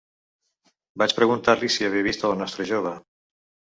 Vaig preguntar-li si havia vist a la nostra jove.